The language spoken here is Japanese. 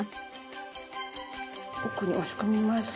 奥に押し込みます。